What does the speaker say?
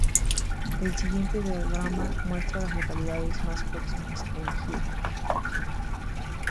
El siguiente diagrama muestra a las localidades más próximas a Hughes.